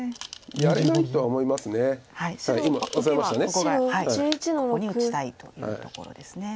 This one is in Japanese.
ここに打ちたいというところですね。